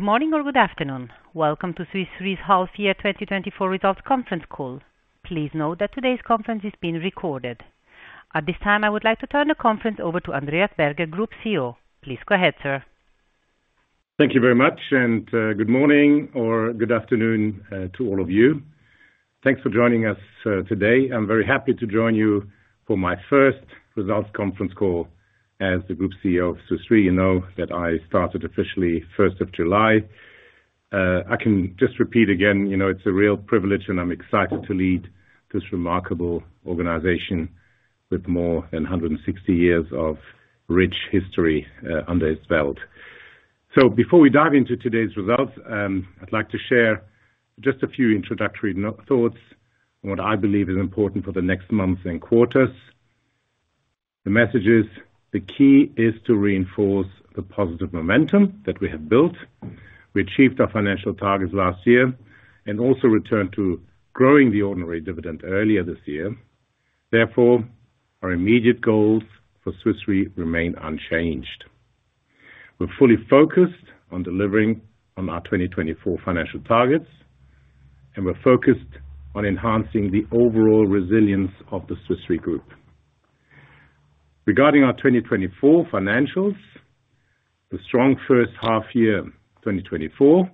Good morning or good afternoon. Welcome to Swiss Re's half year 2024 results conference call. Please note that today's conference is being recorded. At this time, I would like to turn the conference over to Andreas Berger, Group CEO. Please go ahead, sir. Thank you very much, and good morning or good afternoon to all of you. Thanks for joining us today. I'm very happy to join you for my first results conference call as the Group CEO of Swiss Re. You know that I started officially 1st of July. I can just repeat again, you know, it's a real privilege, and I'm excited to lead this remarkable organization with more than 160 years of rich history under its belt. So before we dive into today's results, I'd like to share just a few introductory thoughts on what I believe is important for the next months and quarters. The message is, the key is to reinforce the positive momentum that we have built. We achieved our financial targets last year and also returned to growing the ordinary dividend earlier this year. Therefore, our immediate goals for Swiss Re remain unchanged. We're fully focused on delivering on our 2024 financial targets, and we're focused on enhancing the overall resilience of the Swiss Re Group. Regarding our 2024 financials, the strong first half of 2024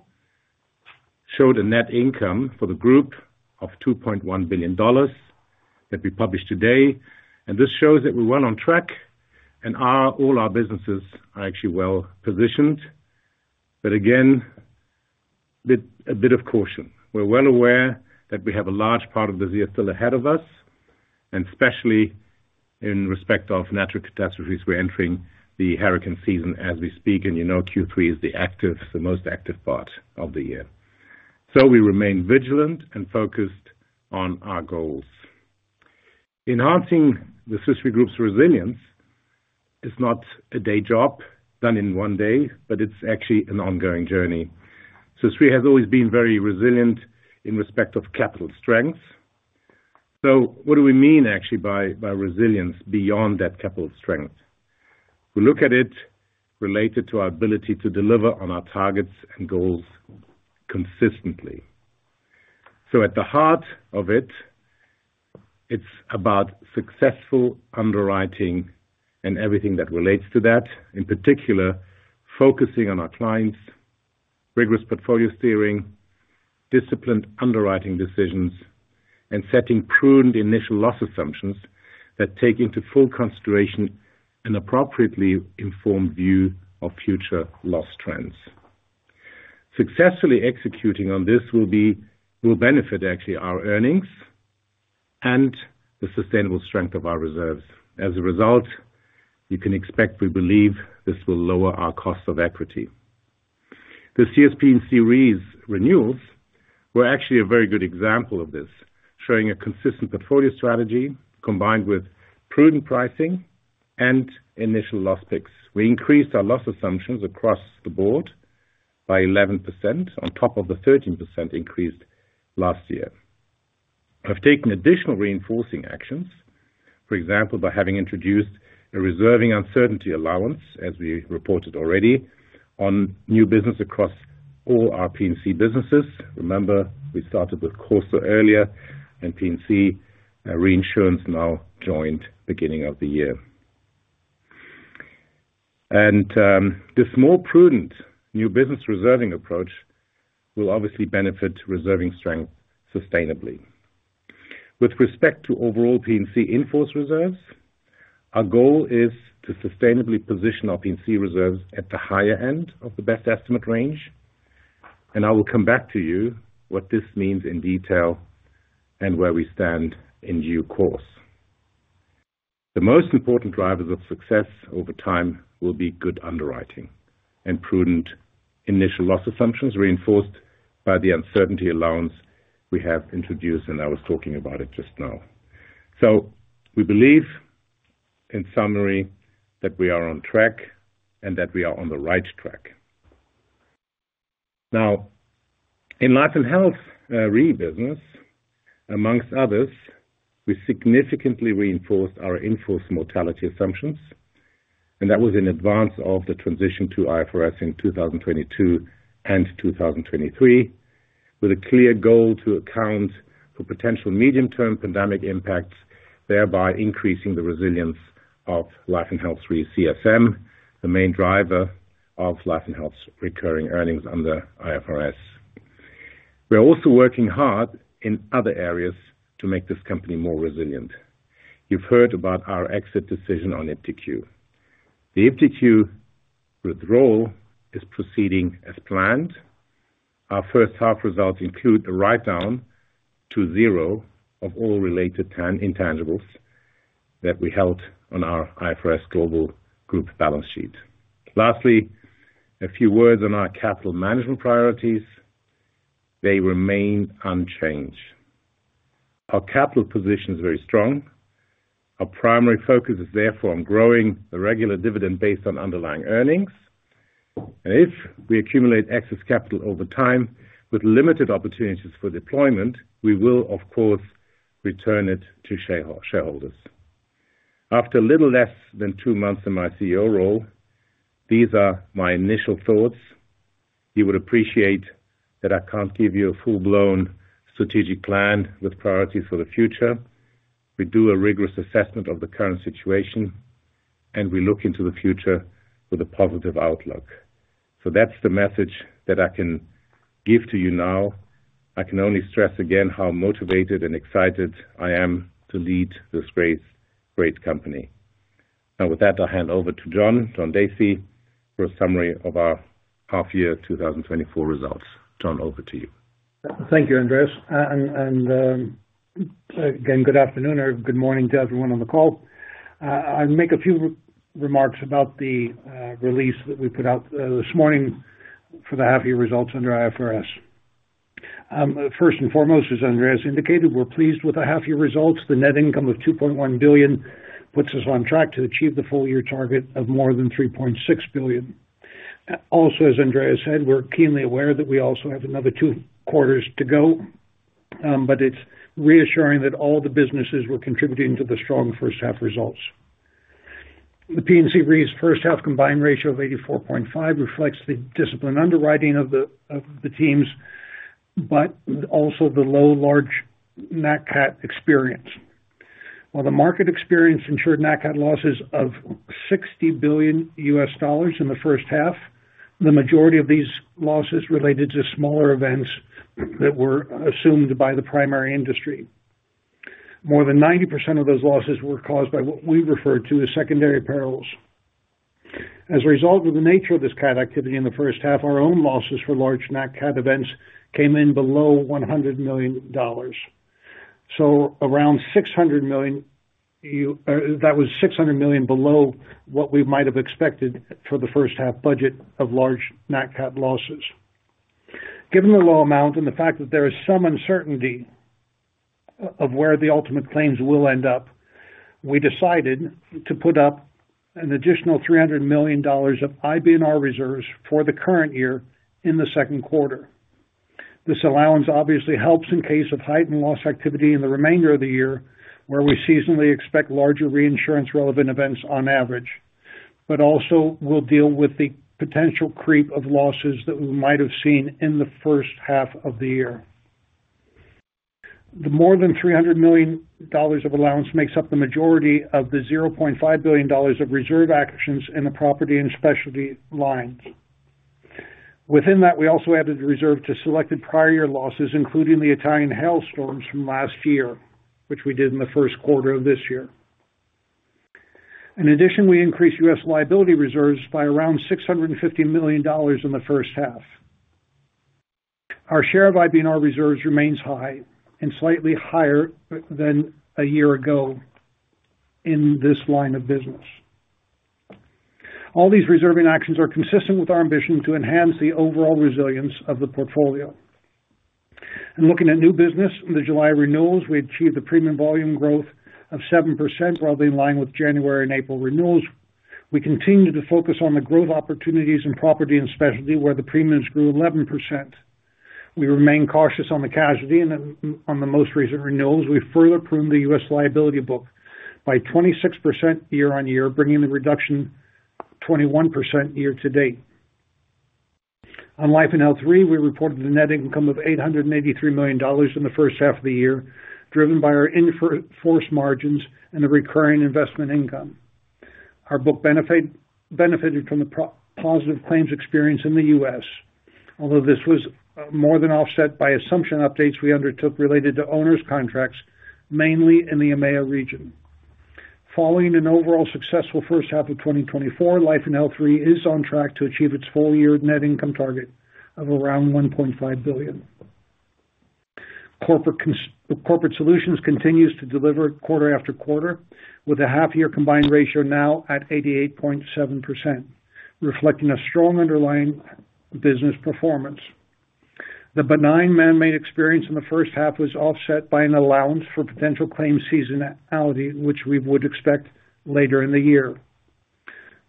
showed a net income for the group of $2.1 billion that we published today, and this shows that we're well on track and all our businesses are actually well positioned. But again, a bit of caution. We're well aware that we have a large part of the year still ahead of us, and especially in respect of natural catastrophes, we're entering the hurricane season as we speak, and you know, Q3 is the most active part of the year. So we remain vigilant and focused on our goals. Enhancing the Swiss Re Group's resilience is not a day job done in one day, but it's actually an ongoing journey. Swiss Re has always been very resilient in respect of capital strength. So what do we mean actually by resilience beyond that capital strength? We look at it related to our ability to deliver on our targets and goals consistently. So at the heart of it, it's about successful underwriting and everything that relates to that. In particular, focusing on our clients, rigorous portfolio steering, disciplined underwriting decisions, and setting prudent initial loss assumptions that take into full consideration an appropriately informed view of future loss trends. Successfully executing on this will benefit, actually, our earnings and the sustainable strength of our reserves. As a result, you can expect, we believe, this will lower our cost of equity. The CSP and series renewals were actually a very good example of this, showing a consistent portfolio strategy combined with prudent pricing and initial loss picks. We increased our loss assumptions across the Board by 11% on top of the 13% increase last year. I've taken additional reinforcing actions, for example, by having introduced a reserving uncertainty allowance, as we reported already, on new business across all our P&C businesses. Remember, we started with CorSo earlier and P&C reinsurance now joined beginning of the year. This more prudent new business reserving approach will obviously benefit reserving strength sustainably. With respect to overall P&C in-force reserves, our goal is to sustainably position our P&C reserves at the higher end of the best estimate range, and I will come back to you what this means in detail and where we stand in due course. The most important drivers of success over time will be good underwriting and prudent initial loss assumptions, reinforced by the uncertainty allowance we have introduced, and I was talking about it just now. So we believe, in summary, that we are on track and that we are on the right track. Now, in Life & Health Re business, among others, we significantly reinforced our in-force mortality assumptions, and that was in advance of the transition to IFRS in 2022 and 2023, with a clear goal to account for potential medium-term pandemic impacts, thereby increasing the resilience of Life & Health Re CSM, the main driver of Life & Health's recurring earnings under IFRS. We are also working hard in other areas to make this company more resilient. You've heard about our exit decision on iptiQ. The iptiQ withdrawal is proceeding as planned. Our first half results include a write-down to zero of all related intangibles that we held on our IFRS Global Group balance sheet. Lastly, a few words on our capital management priorities. They remain unchanged. Our capital position is very strong. Our primary focus is therefore on growing the regular dividend based on underlying earnings. And if we accumulate excess capital over time with limited opportunities for deployment, we will of course return it to shareholders. After a little less than two months in my CEO role, these are my initial thoughts. You would appreciate that I can't give you a full-blown strategic plan with priorities for the future. We do a rigorous assessment of the current situation, and we look into the future with a positive outlook. So that's the message that I can give to you now. I can only stress again, how motivated and excited I am to lead this great, great company. Now, with that, I'll hand over to John, John Dacey, for a summary of our half year 2024 results. John, over to you. Thank you, Andreas. Again, good afternoon or good morning to everyone on the call. I'll make a few remarks about the release that we put out this morning for the half year results under IFRS. First and foremost, as Andreas indicated, we're pleased with the half year results. The net income of $2.1 billion puts us on track to achieve the full year target of more than $3.6 billion. Also, as Andreas said, we're keenly aware that we also have another two quarters to go, but it's reassuring that all the businesses were contributing to the strong first half results. The P&C Re's first half combined ratio of 84.5% reflects the disciplined underwriting of the teams, but also the low large Nat Cat experience. While the market experienced insured Nat Cat losses of $60 billion in the first half, the majority of these losses related to smaller events that were assumed by the primary industry. More than 90% of those losses were caused by what we refer to as secondary perils. As a result of the nature of this cat activity in the first half, our own losses for large Nat Cat events came in below $100 million. So around $600 million, that was $600 million below what we might have expected for the first half budget of large Nat Cat losses. Given the low amount and the fact that there is some uncertainty of where the ultimate claims will end up, we decided to put up an additional $300 million of IBNR reserves for the current year in the second quarter. This allowance obviously helps in case of heightened loss activity in the remainder of the year, where we seasonally expect larger reinsurance-relevant events on average, but also will deal with the potential creep of losses that we might have seen in the first half of the year. The more than $300 million of allowance makes up the majority of the $0.5 billion of reserve actions in the Property and Specialty lines. Within that, we also added a reserve to selected prior year losses, including the Italian hailstorms from last year, which we did in the first quarter of this year. In addition, we increased U.S. liability reserves by around $650 million in the first half. Our share of IBNR reserves remains high and slightly higher than a year ago in this line of business. All these reserving actions are consistent with our ambition to enhance the overall resilience of the portfolio, and looking at new business, in the July renewals, we achieved a premium volume growth of 7%, roughly in line with January and April renewals. We continue to focus on the growth opportunities in Property and Specialty, where the premiums grew 11%. We remain cautious on the casualty, and then on the most recent renewals, we further pruned the US liability book by 26% year on year, bringing the reduction 21% year to date. On Life & Health Re, we reported a net income of $883 million in the first half of the year, driven by our in-force margins and the recurring investment income. Our book benefited from the positive claims experience in the US, although this was more than offset by assumption updates we undertook related to onerous contracts, mainly in the EMEA region. Following an overall successful first half of 2024, Life & Health Re is on track to achieve its full year net income target of around $1.5 billion. Corporate Solutions continues to deliver quarter after quarter, with a half year combined ratio now at 88.7%, reflecting a strong underlying business performance. The benign man-made experience in the first half was offset by an allowance for potential claim seasonality, which we would expect later in the year.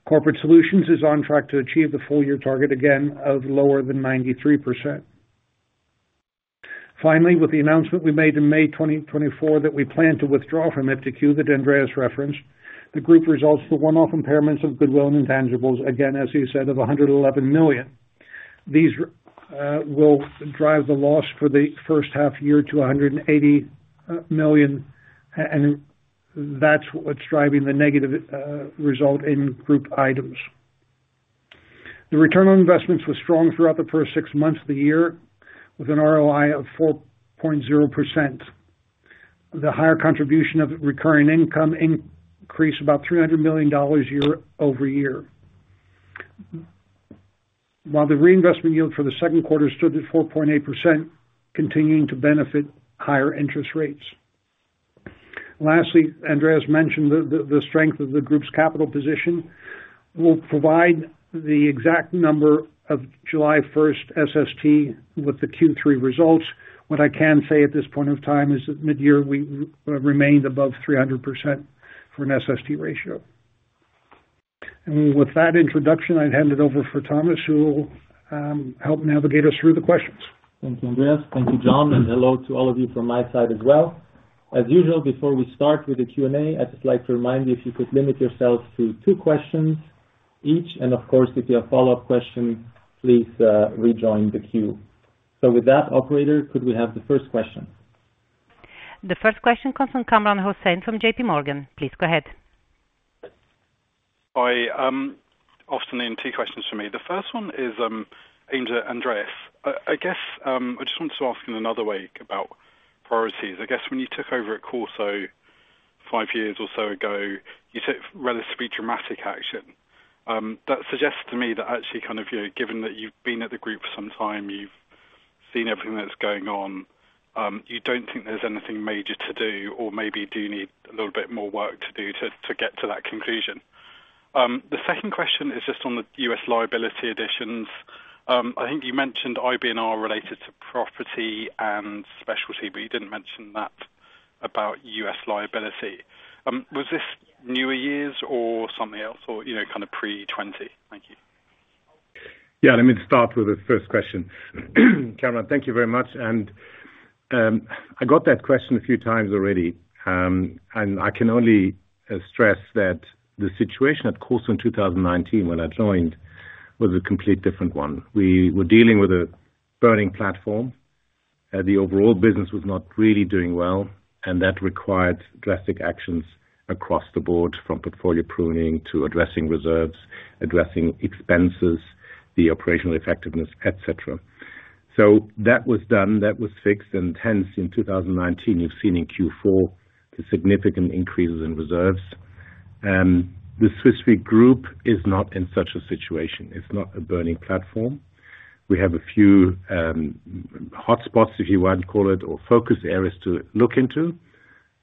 Corporate Solutions is on track to achieve the full year target again of lower than 93%. Finally, with the announcement we made in May 2024, that we plan to withdraw from iptiQ, that Andreas referenced, the group results in the one-off impairments of goodwill and intangibles, again, as he said, of $111 million. These will drive the loss for the first half year to $180 million, and that's what's driving the negative result in Group Items. The return on investments was strong throughout the first six months of the year, with an ROI of 4.0%. The higher contribution of recurring income increased about $300 million year over year. While the reinvestment yield for the second quarter stood at 4.8%, continuing to benefit higher interest rates. Lastly, Andreas mentioned the strength of the group's capital position. We'll provide the exact number of July first SST with the Q3 results. What I can say at this point of time is that mid-year, we remained above 300% for an SST ratio. And with that introduction, I'd hand it over for Thomas, who will help navigate us through the questions. Thanks, Andreas. Thank you, John, and hello to all of you from my side as well. As usual, before we start with the Q&A, I'd just like to remind you, if you could limit yourselves to two questions each, and of course, if you have follow-up questions, please, rejoin the queue. So with that, operator, could we have the first question? The first question comes from Kamran Hossain from J.P. Morgan. Please go ahead. Hi, Hossain, two questions for me. The first one is aimed at Andreas. I guess I just wanted to ask in another way about priorities. I guess when you took over at CorSo five years or so ago, you took relatively dramatic action. That suggests to me that actually, kind of, you know, given that you've been at the group for some time, you've seen everything that's going on, you don't think there's anything major to do, or maybe do you need a little bit more work to do to get to that conclusion? The second question is just on the US liability additions. I think you mentioned IBNR related to Property and Specialty, but you didn't mention that about US liability. Was this newer years or something else, or, you know, kind of pre-2020? Thank you. Yeah, let me start with the first question. Kamran, thank you very much. And I got that question a few times already, and I can only stress that the situation at CorSo in 2019, when I joined, was a complete different one. We were dealing with a burning platform, the overall business was not really doing well, and that required drastic actions across the Board, from portfolio pruning to addressing reserves, addressing expenses, the operational effectiveness, et cetera. So that was done, that was fixed, and hence, in 2019, you've seen in Q4 the significant increases in reserves. The Swiss Re Group is not in such a situation. It's not a burning platform. We have a few hotspots, if you want to call it, or focus areas to look into,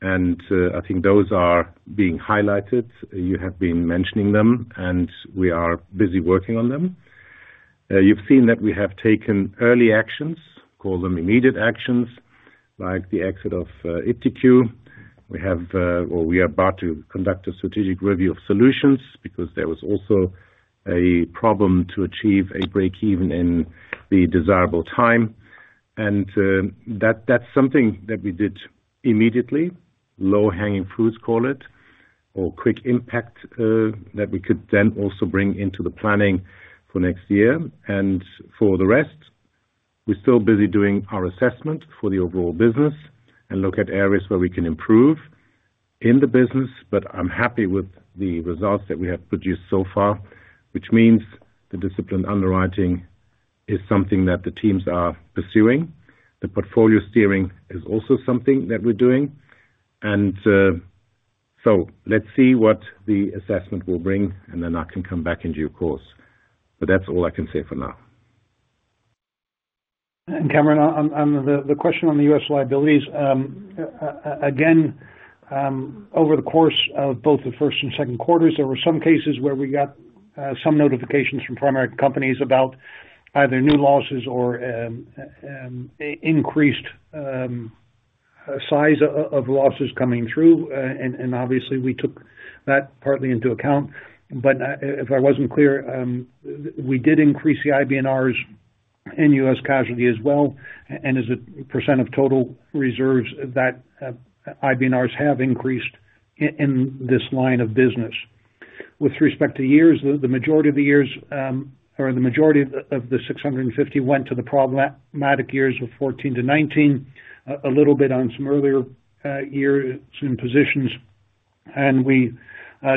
and I think those are being highlighted. You have been mentioning them, and we are busy working on them. You've seen that we have taken early actions, call them immediate actions, like the exit of iptiQ. We have or we are about to conduct a strategic review of solutions because there was also a problem to achieve a break even in the desirable time. And that that's something that we did immediately, low-hanging fruits, call it, or quick impact that we could then also bring into the planning for next year. And for the rest, we're still busy doing our assessment for the overall business and look at areas where we can improve in the business, but I'm happy with the results that we have produced so far, which means the disciplined underwriting is something that the teams are pursuing. The portfolio steering is also something that we're doing. So let's see what the assessment will bring, and then I can come back in due course. But that's all I can say for now. Kamran, on the question on the U.S. liabilities, again, over the course of both the first and second quarters, there were some cases where we got some notifications from primary companies about either new losses or increased size of losses coming through, and obviously, we took that partly into account. If I wasn't clear, we did increase the IBNRs in U.S. casualty as well, and as a percent of total reserves, IBNRs have increased in this line of business. With respect to years, the majority of the years or the majority of the 650 went to the problematic years of 2014 to 2019, a little bit on some earlier years and positions. We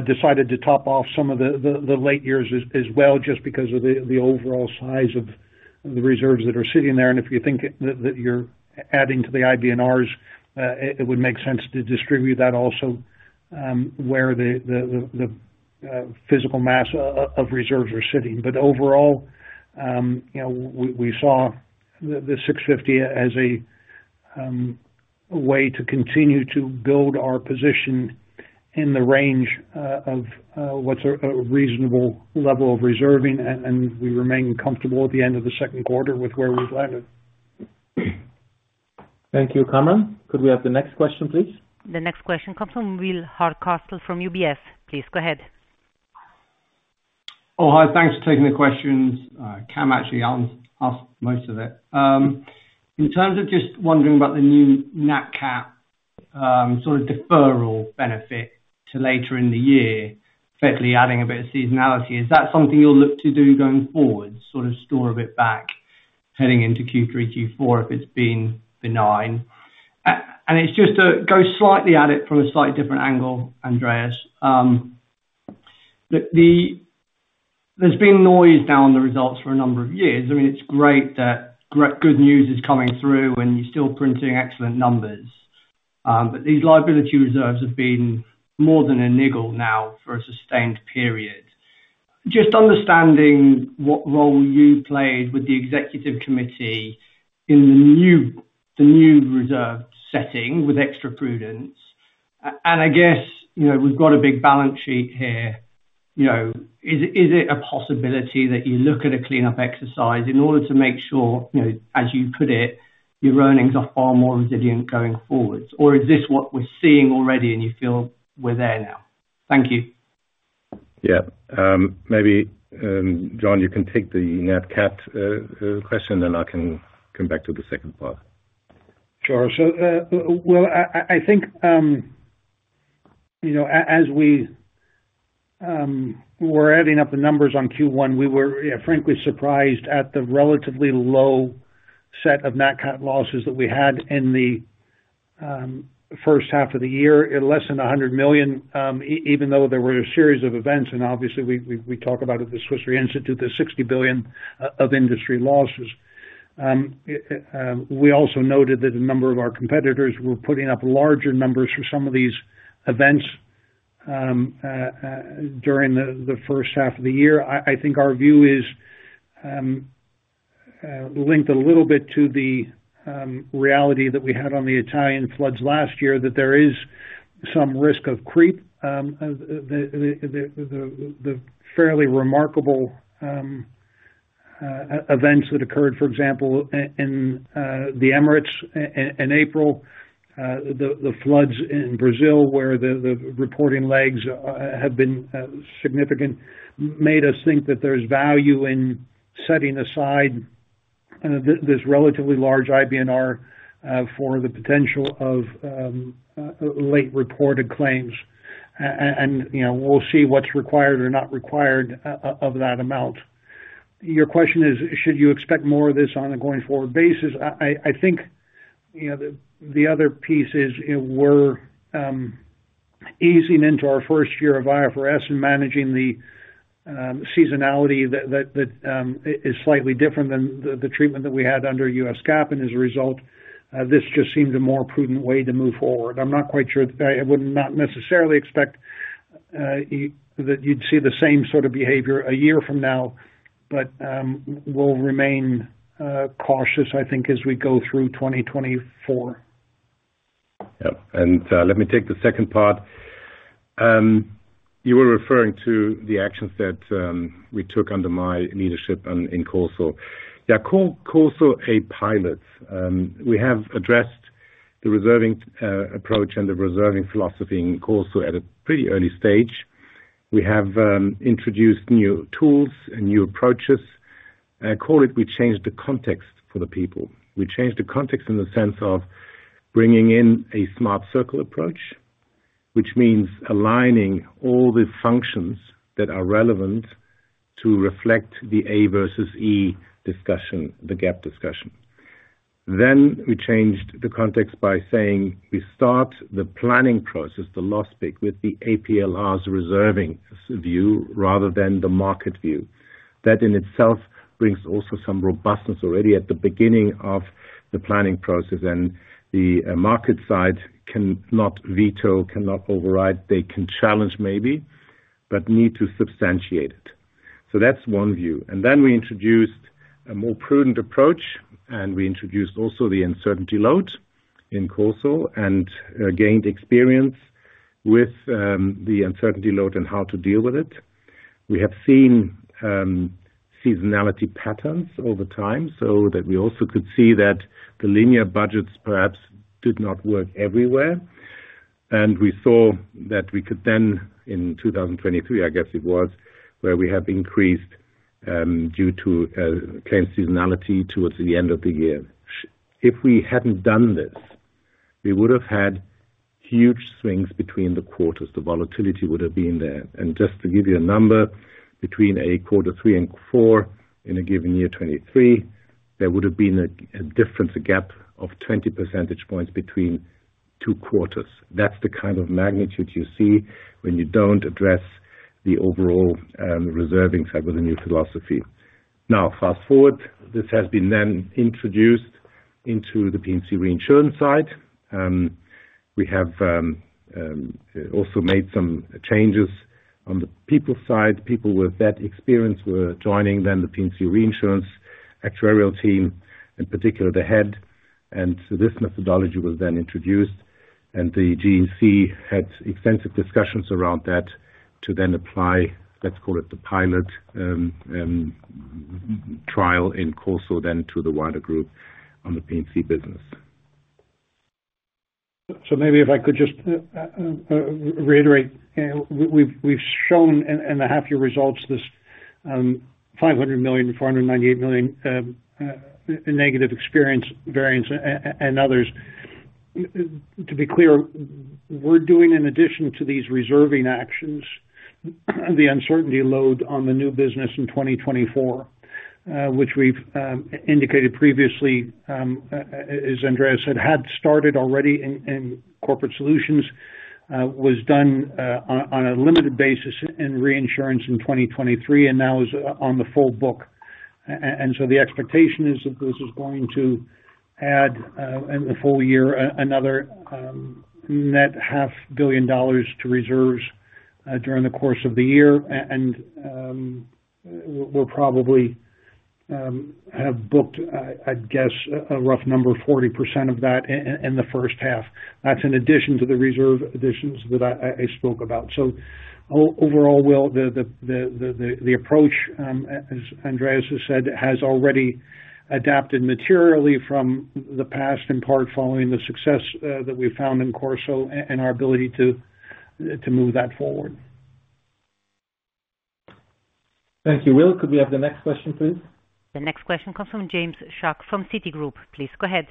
decided to top off some of the late years as well, just because of the overall size of the reserves that are sitting there. If you think that you're adding to the IBNRs, it would make sense to distribute that also where the physical mass of reserves are sitting. Overall, you know, we saw the 650 as a way to continue to build our position in the range of what's a reasonable level of reserving, and we remain comfortable at the end of the second quarter with where we've landed. Thank you, Kamran. Could we have the next question, please? The next question comes from Will Hardcastle from UBS. Please go ahead. Oh, hi. Thanks for taking the questions. Kam actually asked most of it. In terms of just wondering about the new Nat Cat, sort of deferral benefit to later in the year, effectively adding a bit of seasonality, is that something you'll look to do going forward, sort of store a bit back, heading into Q3, Q4, if it's been benign? And it's just to go slightly at it from a slightly different angle, Andreas. There's been noise now on the results for a number of years. I mean, it's great that good news is coming through, and you're still printing excellent numbers. But these liability reserves have been more than a niggle now for a sustained period. Just understanding what role you played with the executive committee in the new reserve setting with extra prudence, and I guess, you know, we've got a big balance sheet here, you know, is it a possibility that you look at a cleanup exercise in order to make sure, you know, as you put it, your earnings are far more resilient going forwards? Or is this what we're seeing already, and you feel we're there now? Thank you.... Yeah. Maybe John, you can take the Nat Cat question, and I can come back to the second part. Sure. So, I think, you know, as we were adding up the numbers on Q1, we were, yeah, frankly surprised at the relatively low set of Nat Cat losses that we had in the first half of the year, in less than 100 million. Even though there were a series of events, and obviously we talk about it, the Swiss Re Institute, the 60 billion of industry losses. We also noted that a number of our competitors were putting up larger numbers for some of these events during the first half of the year. I think our view is linked a little bit to the reality that we had on the Italian floods last year, that there is some risk of creep. The fairly remarkable events that occurred, for example, in the Emirates in April, the floods in Brazil, where the reporting lags have been significant, made us think that there's value in setting aside this relatively large IBNR for the potential of late reported claims, and you know, we'll see what's required or not required of that amount. Your question is, should you expect more of this on a going-forward basis? I think, you know, the other piece is, you know, we're easing into our first year of IFRS and managing the seasonality that is slightly different than the treatment that we had under US GAAP, and as a result, this just seemed a more prudent way to move forward. I'm not quite sure, I would not necessarily expect that you'd see the same sort of behavior a year from now, but we'll remain cautious, I think, as we go through 2024. Yeah, and, let me take the second part. You were referring to the actions that we took under my leadership on, in CorSo. Yeah, CorSo pilot. We have addressed the reserving approach and the reserving philosophy in CorSo at a pretty early stage. We have introduced new tools and new approaches. I call it, we changed the context for the people. We changed the context in the sense of bringing in a smart circle approach, which means aligning all the functions that are relevant to reflect the A versus E discussion, the GAAP discussion. Then we changed the context by saying, we start the planning process, the loss pick, with the APLR's reserving view, rather than the market view. That, in itself, brings also some robustness already at the beginning of the planning process, and the market side cannot veto, cannot override. They can challenge maybe, but need to substantiate it. So that's one view, and then we introduced a more prudent approach, and we introduced also the uncertainty load in CorSo, and gained experience with the uncertainty load and how to deal with it. We have seen seasonality patterns over time, so that we also could see that the linear budgets perhaps did not work everywhere, and we saw that we could then, in 2023, I guess it was, where we have increased due to claim seasonality towards the end of the year. So if we hadn't done this, we would have had huge swings between the quarters. The volatility would have been there. And just to give you a number, between quarter three and four in a given year, 2023, there would have been a difference, a gap of 20 percentage points between two quarters. That's the kind of magnitude you see when you don't address the overall reserving side with a new philosophy. Now, fast forward, this has been then introduced into the P&C reinsurance side. We have also made some changes on the people side. People with that experience were joining then the P&C reinsurance actuarial team, in particular, the head. And so this methodology was then introduced, and the GEC had extensive discussions around that to then apply, let's call it the pilot trial in CorSo, then to the wider group on the P&C business. So maybe if I could just reiterate, we've shown in the half-year results this $498 million negative experience variance and others. To be clear, we're doing an addition to these reserving actions, the uncertainty load on the new business in 2024, which we've indicated previously, as Andreas said, had started already in Corporate Solutions, was done on a limited basis in reinsurance in 2023, and now is on the full book. And so the expectation is that this is going to add in the full year another net $500 million to reserves during the course of the year. And we'll probably have booked, I'd guess, a rough number, 40% of that in the first half. That's in addition to the reserve additions that I spoke about. So overall, the approach, as Andreas has said, has already adapted materially from the past, in part, following the success that we found in CorSo and our ability to move that forward. Thank you, Will. Could we have the next question, please? The next question comes from James Shuck from Citigroup. Please go ahead.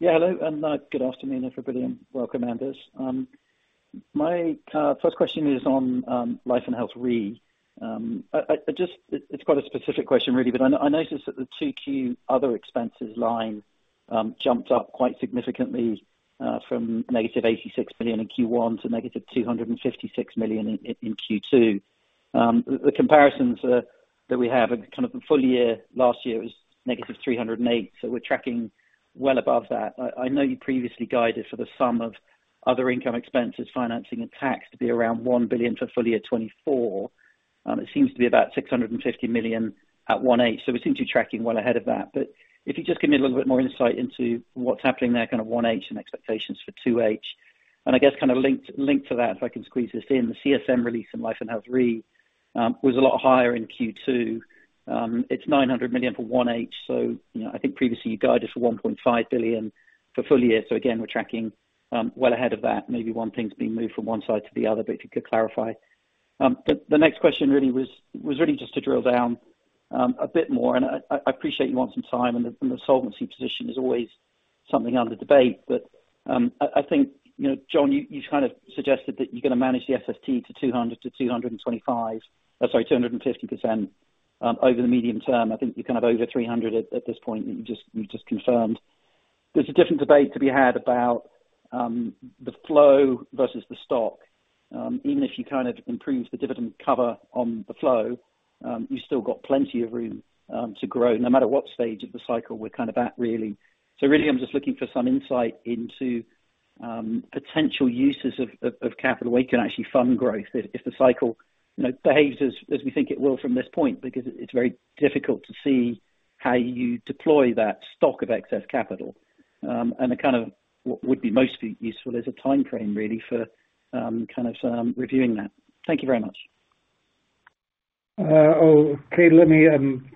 Hello, and good afternoon, everybody, and welcome, Andreas. My first question is on Life & Health Re. I just noticed that the Q2 other expenses line jumped up quite significantly from -$86 million in Q1 to -$256 million in Q2. The comparisons that we have are kind of a full year last year was -308, so we're tracking well above that. I know you previously guided for the sum of other income expenses, financing, and tax to be around $1 billion for full year 2024. It seems to be about $650 million at 1H, so we seem to be tracking well ahead of that. But if you just give me a little bit more insight into what's happening there, kind of 1H and expectations for 2H. And I guess kind of linked to that, if I can squeeze this in, the CSM release in Life & Health Re was a lot higher in Q2. It's $900 million for 1H, so, you know, I think previously you guided for $1.5 billion for full year. So again, we're tracking well ahead of that. Maybe one thing's being moved from one side to the other, but if you could clarify. The next question really was just to drill down a bit more, and I appreciate you want some time, and the solvency position is always something under debate. But I think, you know, John, you kind of suggested that you're gonna manage the SST to 200 to 225... Sorry, 250%, over the medium term. I think you're kind of over 300 at this point, you just confirmed. There's a different debate to be had about the flow versus the stock. Even if you kind of improve the dividend cover on the flow, you've still got plenty of room to grow, no matter what stage of the cycle we're kind of at, really. So really, I'm just looking for some insight into potential uses of capital where you can actually fund growth if the cycle, you know, behaves as we think it will from this point, because it's very difficult to see how you deploy that stock of excess capital. And it kind of, what would be most useful is a timeframe, really, for kind of some reviewing that. Thank you very much. Okay. Let me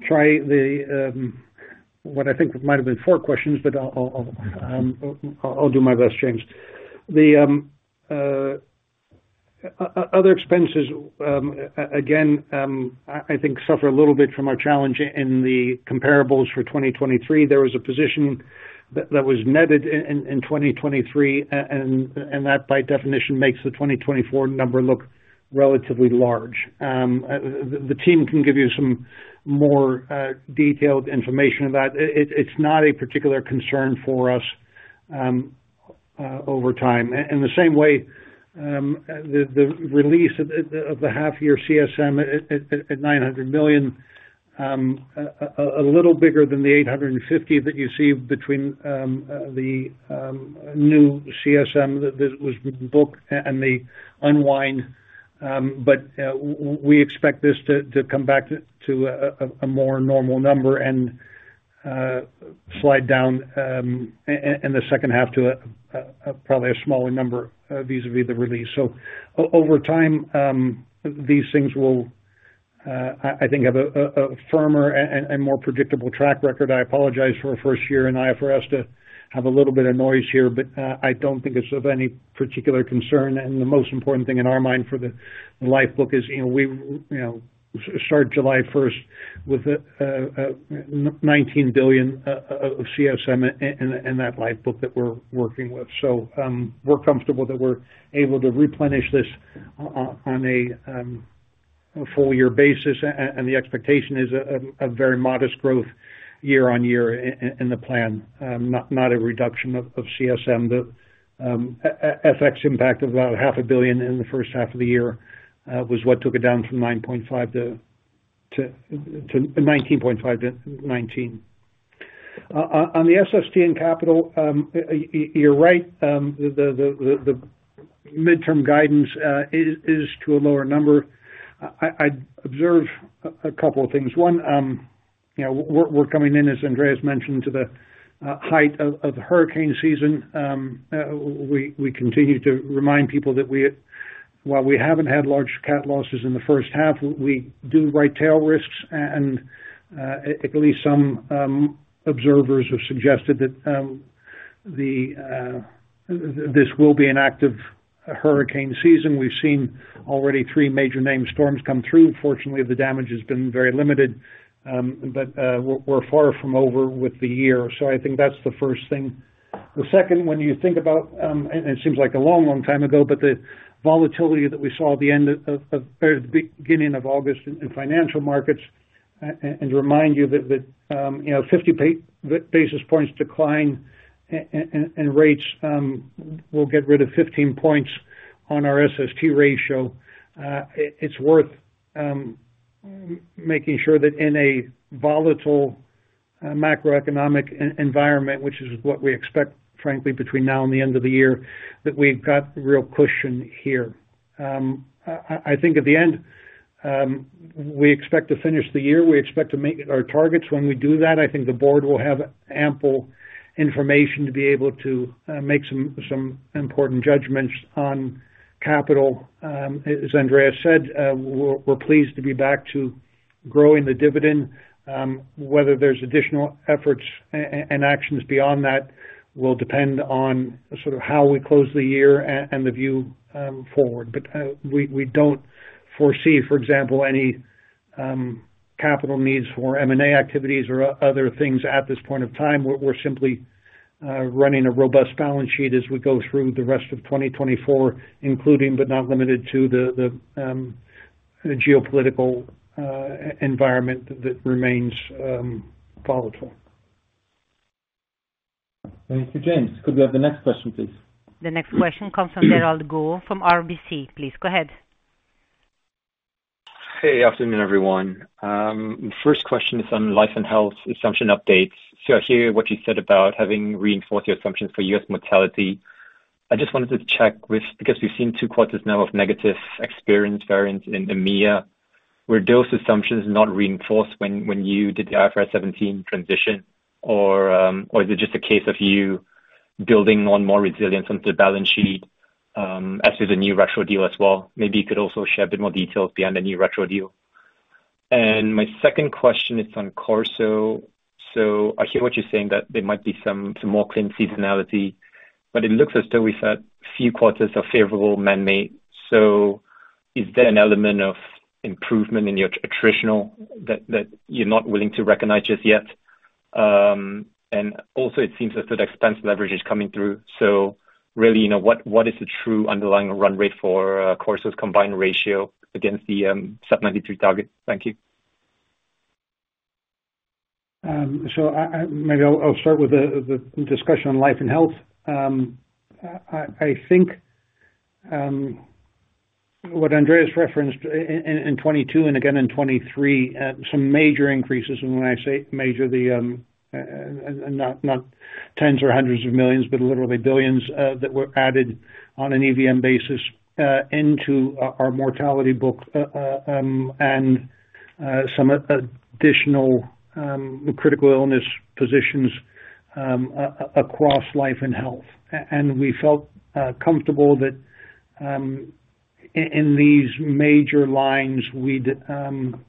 try the what I think might have been four questions, but I'll do my best, James. The other expenses, again, I think suffer a little bit from our challenge in the comparables for 2023. There was a position that was netted in 2023, and that, by definition, makes the 2024 number look relatively large. The team can give you some more detailed information about it. It's not a particular concern for us over time. And the same way, the release of the half year CSM at $900 million, a little bigger than the $850 million that you see between the new CSM that was booked and the unwind. But we expect this to come back to a more normal number and slide down in the second half to a probably a smaller number vis-a-vis the release. So over time, these things will, I think, have a firmer and more predictable track record. I apologize for a first year in IFRS to have a little bit of noise here, but I don't think it's of any particular concern. And the most important thing in our mind for the lifebook is, you know, we, you know, start July 1st with a $19 billion of CSM in that lifebook that we're working with. So, we're comfortable that we're able to replenish this on a full year basis, and the expectation is a very modest growth year on year in the plan, not a reduction of CSM. The FX impact of about $0.5 billion in the first half of the year was what took it down from 9.5 to 19.5 to 19. On the SST and capital, you're right, the midterm guidance is to a lower number. I observe a couple of things. One, you know, we're coming in, as Andreas mentioned, to the height of hurricane season. We continue to remind people that we, while we haven't had large cat losses in the first half, we do write tail risks, and at least some observers have suggested that this will be an active hurricane season. We've seen already three major named storms come through. Fortunately, the damage has been very limited, but we're far from over with the year. So I think that's the first thing. The second, when you think about, and it seems like a long, long time ago, but the volatility that we saw at the end of, or the beginning of August in financial markets, and remind you that the, you know, 50 basis points decline in rates, will get rid of 15 points on our SST ratio. It's worth making sure that in a volatile, macroeconomic environment, which is what we expect, frankly, between now and the end of the year, that we've got real cushion here. I think at the end, we expect to finish the year, we expect to make our targets. When we do that, I think the Board will have ample information to be able to make some important judgments on capital. As Andreas said, we're pleased to be back to growing the dividend. Whether there's additional efforts and actions beyond that will depend on sort of how we close the year and the view forward. But we don't foresee, for example, any capital needs for M&A activities or other things at this point of time. We're simply running a robust balance sheet as we go through the rest of 2024, including, but not limited to, the geopolitical environment that remains volatile. Thank you. James, could we have the next question, please? The next question comes from Derald Goh from RBC. Please, go ahead. Hey, afternoon, everyone. First question is on Life & Health assumption updates. So I hear what you said about having reinforced your assumptions for US mortality. I just wanted to check with, because we've seen two quarters now of negative experience variance in EMEA, were those assumptions not reinforced when you did the IFRS 17 transition? Or is it just a case of you building on more resilience onto the balance sheet, as with the new retro deal as well? Maybe you could also share a bit more details behind the new retro deal. And my second question is on CorSo. So I hear what you're saying, that there might be some more clean seasonality, but it looks as though we've had few quarters of favorable man-made. So is there an element of improvement in your attritional that you're not willing to recognize just yet? And also, it seems that expense leverage is coming through, so really, you know, what is the true underlying run rate for CorSo's combined ratio against the sub 93 target? Thank you. So I'll start with the discussion on Life & Health. I think what Andreas referenced in 2022 and again in 2023, some major increases, and when I say major, not tens or hundreds of millions, but literally billions, that were added on an EVM basis into our mortality book, and some additional critical illness positions across Life & Health. And we felt comfortable that in these major lines, we'd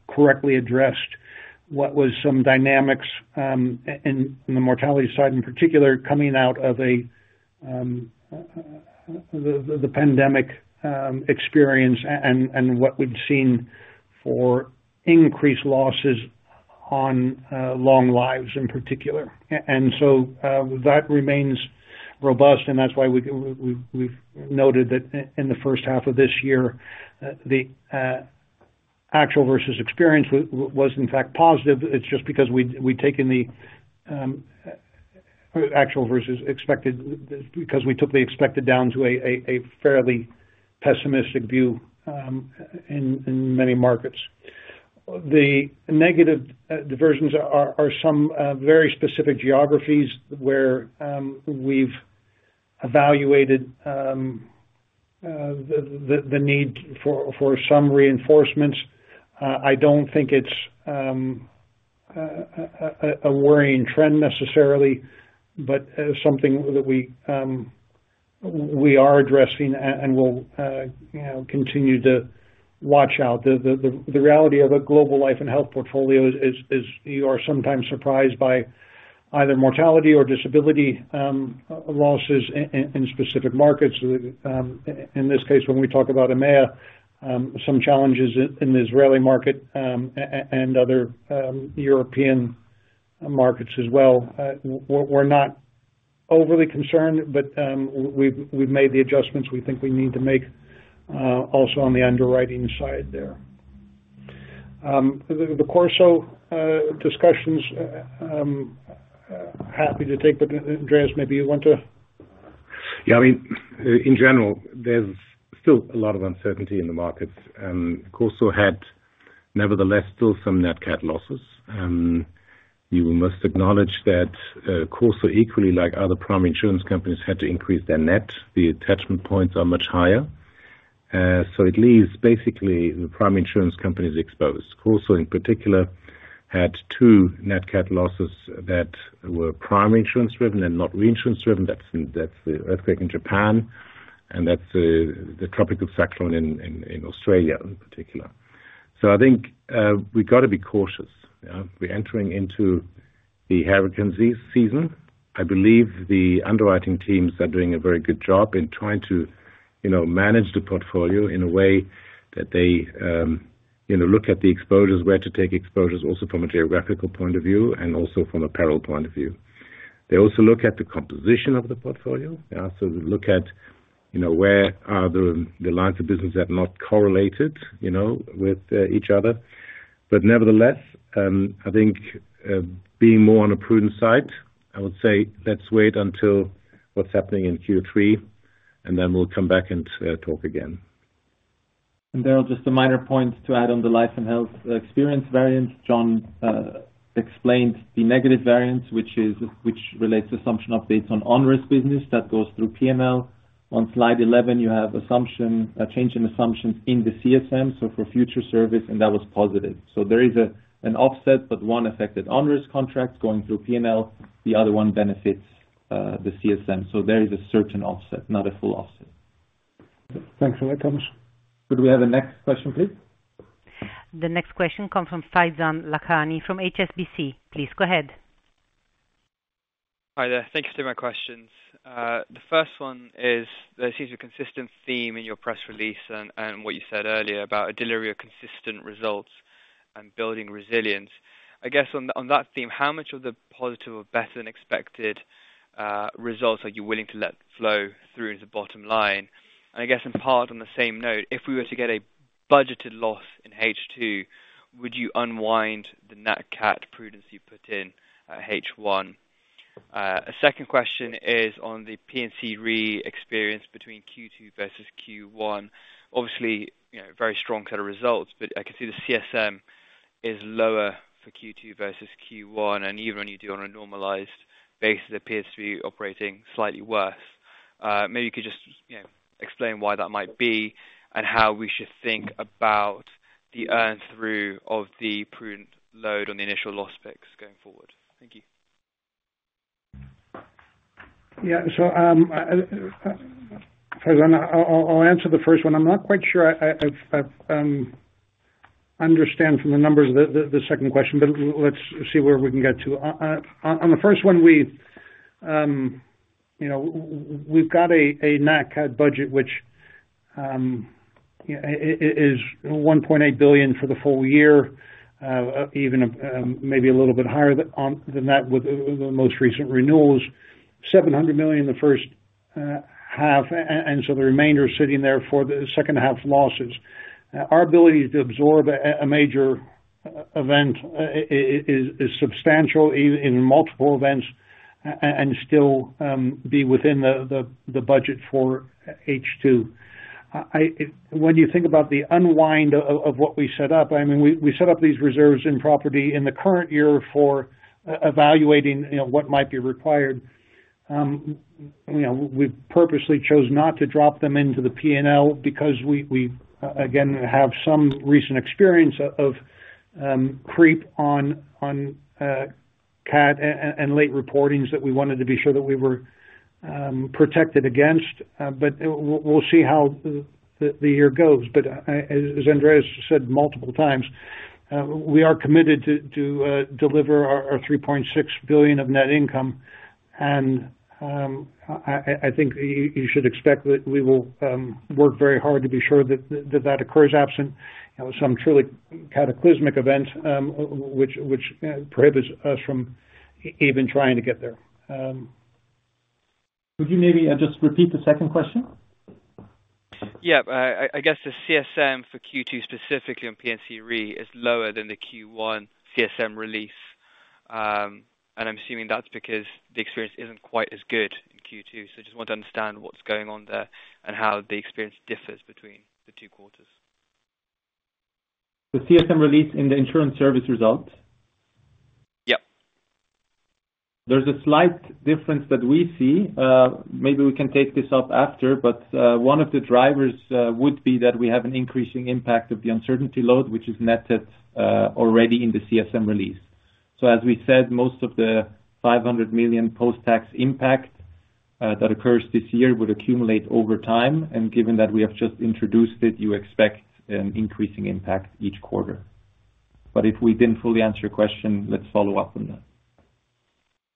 correctly addressed what was some dynamics in the mortality side, in particular, coming out of the pandemic experience and what we'd seen for increased losses on long lives in particular. And so, that remains robust, and that's why we've noted that in the first half of this year, the actual versus experience was, in fact, positive. It's just because we've taken the actual versus expected, because we took the expected down to a fairly pessimistic view, in many markets. The negative diversions are some very specific geographies where we've evaluated the need for some reinforcements. I don't think it's a worrying trend necessarily, but something that we are addressing and will, you know, continue to watch out. The reality of a global Life & Health portfolio is you are sometimes surprised by either mortality or disability losses in specific markets. In this case, when we talk about EMEA, some challenges in the Israeli market, and other European markets as well. We're not overly concerned, but we've made the adjustments we think we need to make, also on the underwriting side there. The CorSo discussions. Happy to take, but Andreas, maybe you want to? Yeah, I mean, in general, there's still a lot of uncertainty in the markets, and CorSo had nevertheless still some Nat Cat losses. You must acknowledge that, CorSo, equally, like other primary insurance companies, had to increase their net. The attachment points are much higher. So it leaves basically the primary insurance companies exposed. CorSo, in particular, had two Nat Cat losses that were primary insurance driven and not reinsurance driven. That's the earthquake in Japan, and that's the tropical cyclone in Australia in particular. So I think, we've got to be cautious. Yeah, we're entering into the hurricane season. I believe the underwriting teams are doing a very good job in trying to, you know, manage the portfolio in a way that they, you know, look at the exposures, where to take exposures also from a geographical point of view and also from a peril point of view. They also look at the composition of the portfolio. They also look at, you know, where are the, the lines of business that are not correlated, you know, with, each other. But nevertheless, I think, being more on a prudent side, I would say let's wait until what's happening in Q3, and then we'll come back and, talk again. There are just a minor point to add on the Life & Health experience variance. John explained the negative variance, which relates assumption updates on on-risk business that goes through P&L. On slide 11, you have a change in assumptions in the CSM, so for future service, and that was positive. So there is an offset, but one affected on-risk contracts going through P&L. The other one benefits the CSM. So there is a certain offset, not a full offset. Thanks for that, Thomas. Could we have the next question, please? The next question comes from Faizan Lakhani, from HSBC. Please go ahead. Hi there. Thank you for my questions. The first one is: There seems a consistent theme in your press release and what you said earlier about a delivery of consistent results and building resilience. I guess on that theme, how much of the positive or better than expected results are you willing to let flow through into the bottom line? And I guess, in part, on the same note, if we were to get a budgeted loss in H2, would you unwind the Nat Cat prudence you put in H1? A second question is on the P&C Re experience between Q2 versus Q1. Obviously, you know, very strong set of results, but I can see the CSM is lower for Q2 versus Q1, and even when you do on a normalized basis, it appears to be operating slightly worse. Maybe you could just, you know, explain why that might be, and how we should think about the earn through of the prudent load on the initial loss picks going forward. Thank you. Yeah. So, I'll answer the first one. I'm not quite sure I understand from the numbers the second question, but let's see where we can get to. On the first one, we, you know, we've got a Nat Cat budget which it is $1.8 billion for the full year, even maybe a little bit higher than that with the most recent renewals, $700 million in the first half, and so the remainder is sitting there for the second half losses. Our ability to absorb a major event is substantial in multiple events and still be within the budget for H2. When you think about the unwind of what we set up, I mean, we set up these reserves in property in the current year for evaluating, you know, what might be required. You know, we purposely chose not to drop them into the PNL because we again have some recent experience of creep on CAT and late reportings that we wanted to be sure that we were protected against, but we'll see how the year goes. But as Andreas said multiple times, we are committed to deliver our $3.6 billion of net income. I think you should expect that we will work very hard to be sure that occurs absent, you know, some truly cataclysmic event, which prohibits us from even trying to get there. Would you maybe just repeat the second question? Yeah. I guess the CSM for Q2, specifically on P&C Re, is lower than the Q1 CSM release, and I'm assuming that's because the experience isn't quite as good in Q2, so I just want to understand what's going on there and how the experience differs between the two quarters. The CSM release in the insurance service results? Yep. There's a slight difference that we see. Maybe we can take this up after, but one of the drivers would be that we have an increasing impact of the uncertainty load, which is netted already in the CSM release. So as we said, most of the $500 million post-tax impact that occurs this year would accumulate over time, and given that we have just introduced it, you expect an increasing impact each quarter. But if we didn't fully answer your question, let's follow up on that.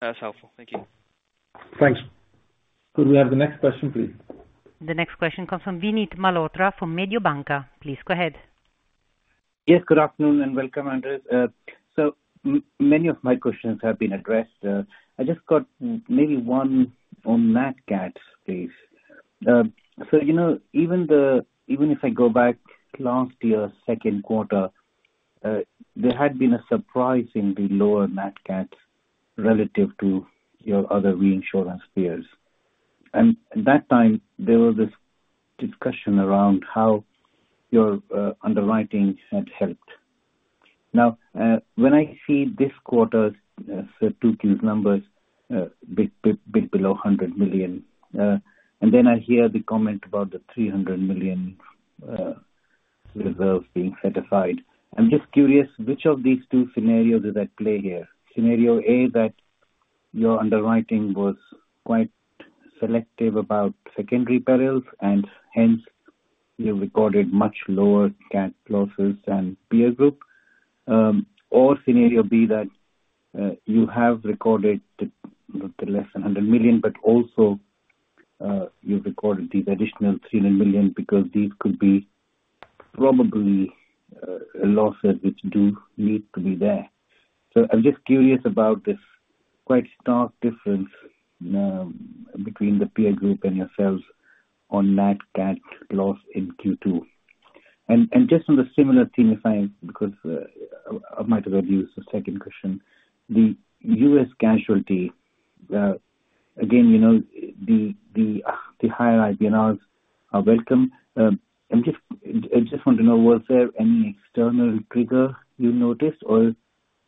That's helpful. Thank you. Thanks. Could we have the next question, please? The next question comes from Vinit Malhotra from Mediobanca. Please go ahead. Yes, good afternoon, and welcome, Andreas. So many of my questions have been addressed. I just got maybe one on Nat Cat, please. So you know, even if I go back last year, second quarter, there had been a surprisingly lower Nat Cat relative to your other reinsurance peers. And at that time, there was this discussion around how your underwriting had helped. Now, when I see this quarter's, so two key numbers, a bit below $100 million, and then I hear the comment about the $300 million reserves being set aside. I'm just curious, which of these two scenarios is at play here? Scenario A, that your underwriting was quite selective about secondary perils, and hence, you recorded much lower cat losses than peer group. Or scenario B, that you have recorded the less than $100 million, but also you've recorded these additional $300 million because these could be probably a losses which do need to be there. So I'm just curious about this quite stark difference between the peer group and yourselves on Nat Cat loss in Q2. And just on the similar theme, if I, because I might as well use the second question, the U.S. casualty, again, you know, the higher IBNRs are welcome. I'm just I just want to know, was there any external trigger you noticed, or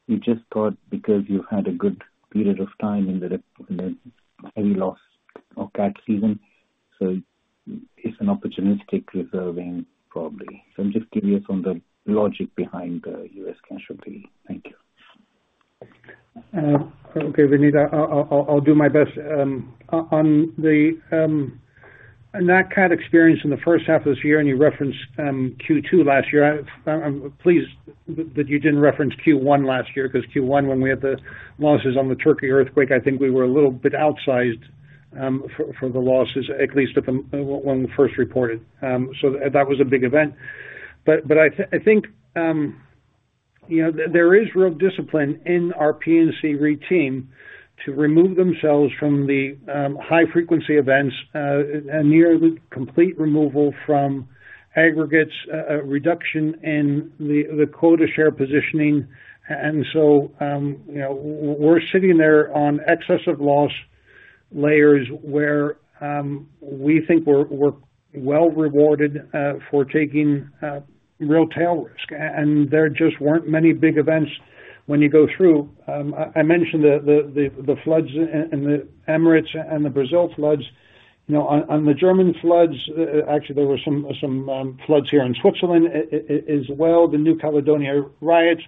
you just thought because you had a good period of time in the any loss or cat season, so it's an opportunistic reserving, probably. So I'm just curious on the logic behind the U.S. casualty. Thank you. Okay, Vinit, I'll do my best. On the Nat Cat experience in the first half of this year, and you referenced Q2 last year, I'm pleased that you didn't reference Q1 last year, because Q1, when we had the losses on the Turkey earthquake, I think we were a little bit outsized for the losses, at least when we first reported. So that was a big event. But I think, you know, there is real discipline in our P&C re team to remove themselves from the high frequency events, and nearly complete removal from aggregates, reduction in the quota share positioning. You know, we're sitting there on excessive loss layers where we think we're well rewarded for taking real tail risk, and there just weren't many big events when you go through. I mentioned the floods in the Emirates and the Brazil floods. You know, on the German floods, actually, there were some floods here in Switzerland as well, the New Caledonia riots.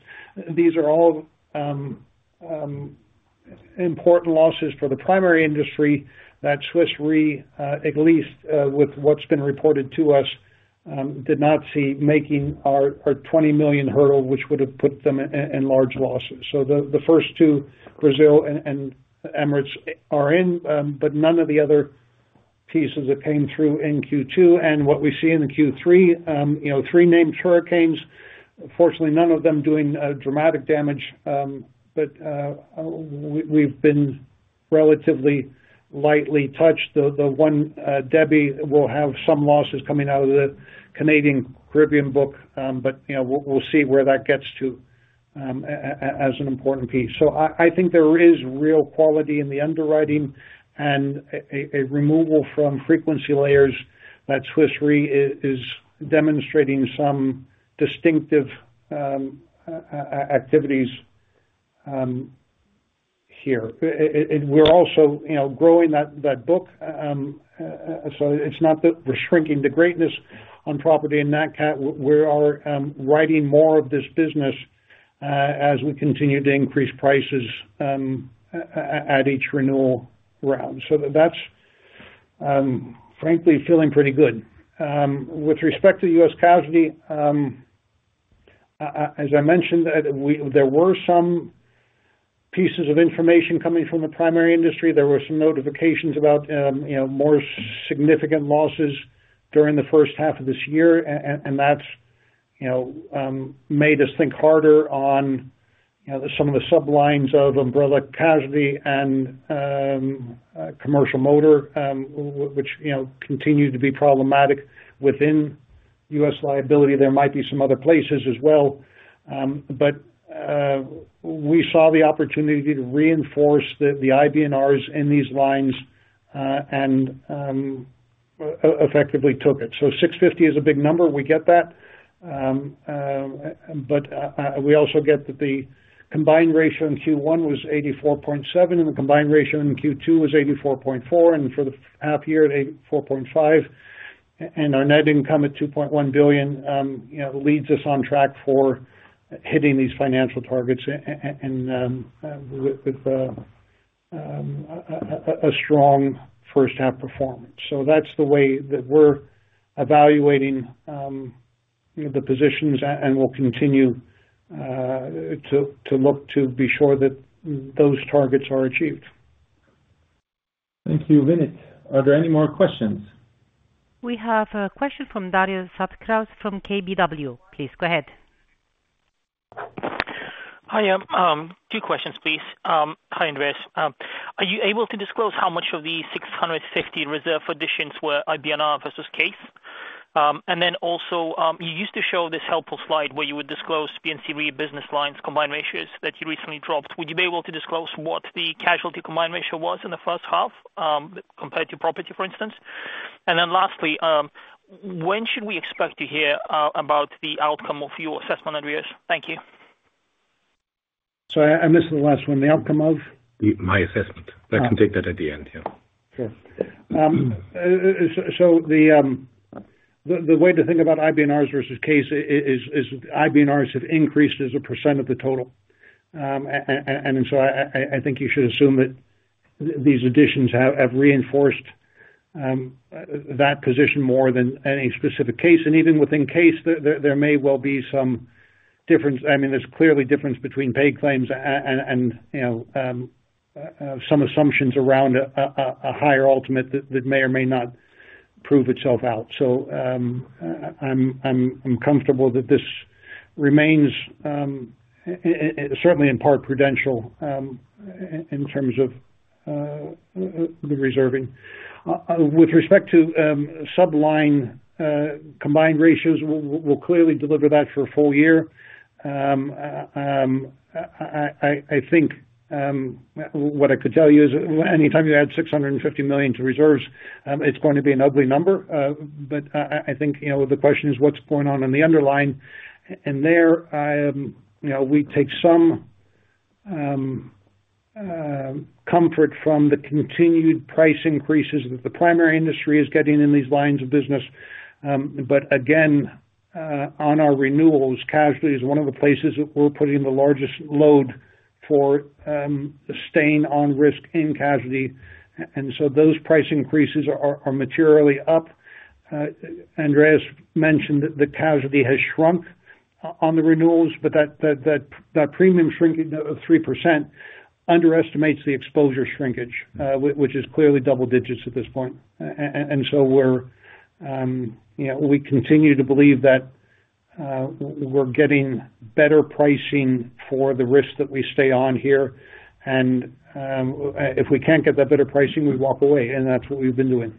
These are all important losses for the primary industry that Swiss Re at least with what's been reported to us did not see making our 20 million hurdle, which would have put them in large losses. The first two, Brazil and Emirates, are in but none of the other pieces that came through in Q2. And what we see in the Q3, you know, three named hurricanes, fortunately, none of them doing dramatic damage, but we've been relatively lightly touched. The one, Debby, will have some losses coming out of the Canadian Caribbean book, but, you know, we'll see where that gets to, as an important piece, so I think there is real quality in the underwriting and a removal from frequency layers that Swiss Re is demonstrating some distinctive activities here, and we're also, you know, growing that book, so it's not that we're shrinking the greatness on property in Nat Cat. We are writing more of this business, as we continue to increase prices, at each renewal round. So that's frankly feeling pretty good. With respect to U.S. casualty, as I mentioned, there were some pieces of information coming from the primary industry. There were some notifications about, you know, more significant losses during the first half of this year, and that's, you know, made us think harder on, you know, some of the sub-lines of umbrella casualty and commercial motor, which, you know, continued to be problematic within U.S. liability. There might be some other places as well, but we saw the opportunity to reinforce the IBNRs in these lines, and effectively took it. So 650 is a big number, we get that. We also get that the combined ratio in Q1 was 84.7%, and the combined ratio in Q2 was 84.4%, and for the half year, 84.5%, and our net income at $2.1 billion, you know, leads us on track for hitting these financial targets and a strong first half performance. That's the way that we're evaluating, you know, the positions, and we'll continue to look to be sure that those targets are achieved. Thank you, Vinit. Are there any more questions? We have a question from Darius Satkauskas from KBW. Please, go ahead. Hi, two questions, please. Hi, Andreas. Are you able to disclose how much of the 650 reserve additions were IBNR versus case? And then also, you used to show this helpful slide where you would disclose P&C Re business lines combined ratios that you recently dropped. Would you be able to disclose what the casualty combined ratio was in the first half, compared to property, for instance? And then lastly, when should we expect to hear about the outcome of your assessment, Andreas? Thank you. Sorry, I missed the last one. The outcome of? My assessment. Ah. I can take that at the end. Yeah. Sure. So the way to think about IBNRs versus case is IBNRs have increased as a percent of the total. And so I think you should assume that these additions have reinforced that position more than any specific case. And even within case, there may well be some difference. I mean, there's clearly difference between paid claims and, you know, some assumptions around a higher ultimate that may or may not prove itself out. So, I'm comfortable that this remains certainly in part prudential in terms of the reserving. With respect to sub-line combined ratios, we'll clearly deliver that for a full year. I think what I could tell you is anytime you add $650 million to reserves, it's going to be an ugly number, but I think, you know, the question is what's going on in the underlying? And there, you know, we take some comfort from the continued price increases that the primary industry is getting in these lines of business. But again, on our renewals, casualty is one of the places that we're putting the largest load for staying on risk in casualty, and so those price increases are materially up. Andreas mentioned that the casualty has shrunk on the renewals, but that premium shrinking of 3% underestimates the exposure shrinkage, which is clearly double digits at this point. And so we're, you know, we continue to believe that we're getting better pricing for the risks that we stay on here, and if we can't get that better pricing, we walk away, and that's what we've been doing.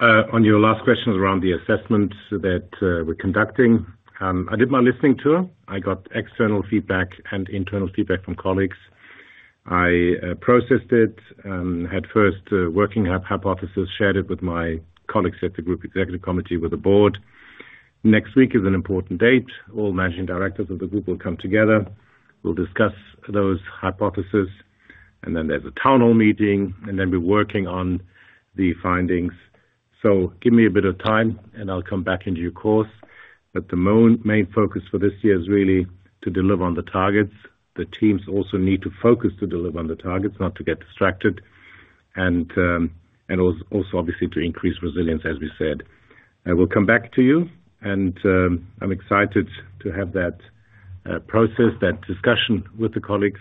On your last question around the assessment that we're conducting. I did my listening tour. I got external feedback and internal feedback from colleagues. I processed it, at first, working hypothesis, shared it with my colleagues at the Group Executive Committee, with the Board. Next week is an important date. All Managing Directors of the group will come together. We'll discuss those hypothesis, and then there's a town hall meeting, and then we're working on the findings. So give me a bit of time, and I'll come back to you, of course. But the main focus for this year is really to deliver on the targets. The teams also need to focus to deliver on the targets, not to get distracted, and also obviously to increase resilience, as we said. I will come back to you, and I'm excited to have that process, that discussion with the colleagues,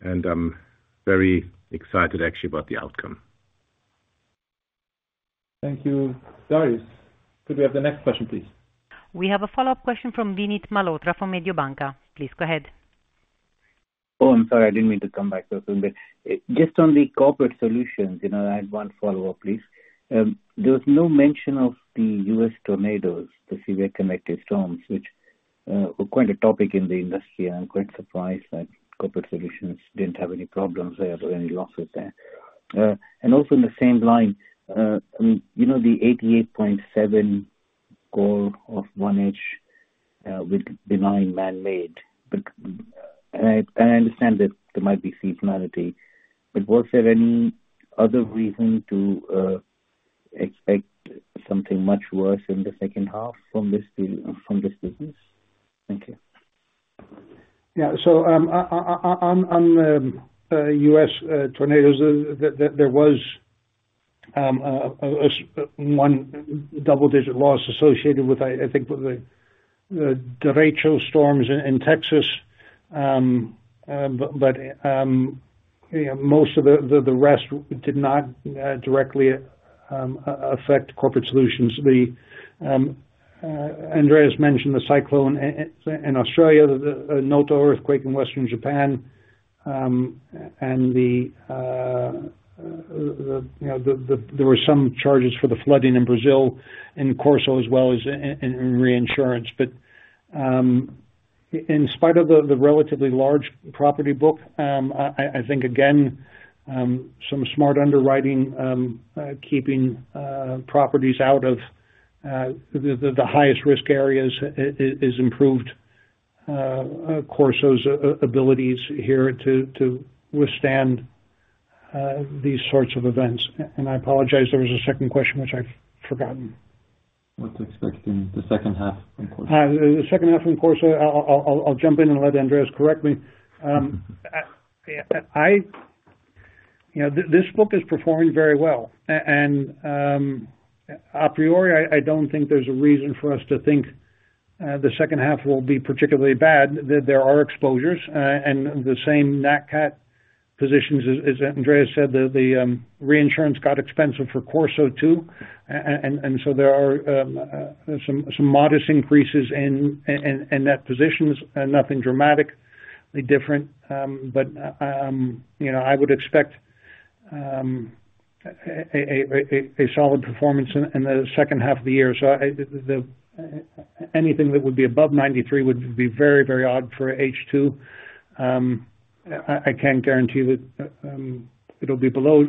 and I'm very excited, actually, about the outcome. Thank you. Darius, could we have the next question, please? We have a follow-up question from Vinit Malhotra from Mediobanca. Please go ahead. Oh, I'm sorry. I didn't mean to come back so soon, but just on Corporate Solutions, you know, I have one follow-up, please. There was no mention of the U.S. tornadoes, the severe convective storms, which were quite a topic in the industry. I'm quite surprised that Corporate Solutions didn't have any problems there or any losses there. And also in the same line, you know, the 88.7% goal for 1H with benign man-made, but I understand that there might be seasonality, but was there any other reason to expect something much worse in the second half from this deal, from this business? Thank you. Yeah. So, on US tornadoes, there was one double-digit loss associated with, I think, the derecho storms in Texas. But, you know, most of the rest did not directly affect Corporate Solutions. Andreas mentioned the cyclone in Australia, the Noto earthquake in Western Japan, and, you know, there were some charges for the flooding in Brazil, in CorSo as well as in reinsurance. But in spite of the relatively large property book, I think again some smart underwriting keeping properties out of the highest risk areas is improved CorSo's abilities here to withstand these sorts of events. And I apologize, there was a second question, which I've forgotten. What to expect in the second half, of course. The second half from CorSo, I'll jump in and let Andreas correct me. You know, this book is performing very well, and a priori, I don't think there's a reason for us to think the second half will be particularly bad. There are exposures, and the same Nat Cat positions as Andreas said, the reinsurance got expensive for CorSo too. And so there are some modest increases in those positions, nothing dramatically different. But you know, I would expect a solid performance in the second half of the year. Anything that would be above 93 would be very, very odd for H2. I can't guarantee that it'll be below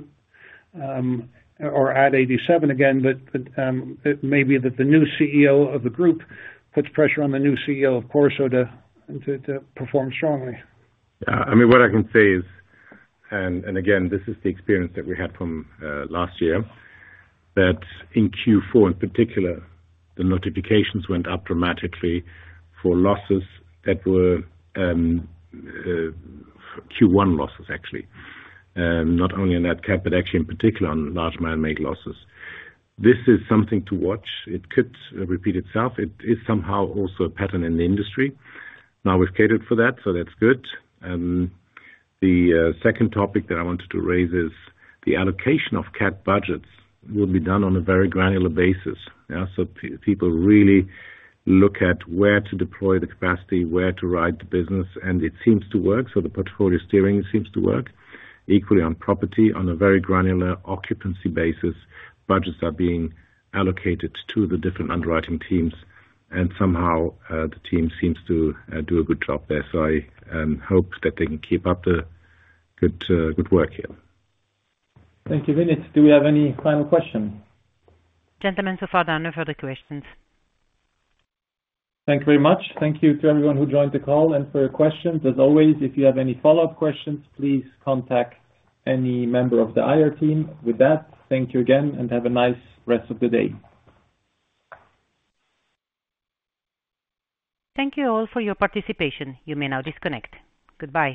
or at 87 again, but it may be that the new CEO of the group puts pressure on the new CEO of CorSo to perform strongly. Yeah. I mean, what I can say is, and, and again, this is the experience that we had from last year, that in Q4, in particular, the notifications went up dramatically for losses that were Q1 losses, actually. Not only in Nat Cat, but actually in particular, on large man-made losses. This is something to watch. It could repeat itself. It is somehow also a pattern in the industry. Now, we've catered for that, so that's good. The second topic that I wanted to raise is the allocation of Cat budgets will be done on a very granular basis. Yeah, so people really look at where to deploy the capacity, where to write the business, and it seems to work. So the portfolio steering seems to work. Equally on property, on a very granular occupancy basis, budgets are being allocated to the different underwriting teams, and somehow, the team seems to do a good job there. So I hope that they can keep up the good work here. Thank you, Vinit. Do we have any final question? Gentlemen, so far, no further questions. Thank you very much. Thank you to everyone who joined the call, and for your questions. As always, if you have any follow-up questions, please contact any member of the IR team. With that, thank you again, and have a nice rest of the day. Thank you all for your participation. You may now disconnect. Goodbye.